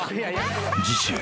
［次週］